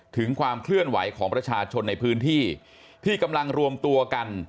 ถึงความเคลื่อนไหวของประชาชนในพื้นที่ที่กำลังรวมตัวกัน